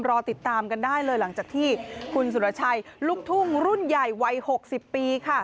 รอติดตามกันได้เลยหลังจากที่คุณสุรชัยลูกทุ่งรุ่นใหญ่วัย๖๐ปีค่ะ